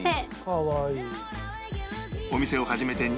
かわいい。